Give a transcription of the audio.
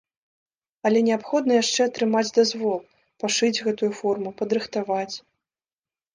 Але неабходна яшчэ атрымаць дазвол, пашыць гэтую форму, падрыхтаваць.